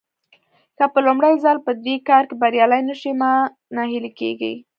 که په لومړي ځل په دې کار کې بريالي نه شوئ مه ناهيلي کېږئ.